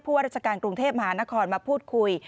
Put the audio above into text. เพื่อผู้ว่าราชการกรุงเทพมหานครมาพูดคุย